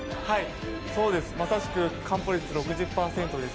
まさしく完歩率６０％です。